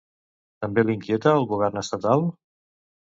També li inquieta el govern estatal?